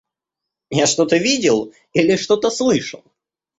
Я что-то видел или что-то слышал...